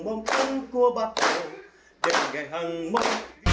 đừng gây hăng mất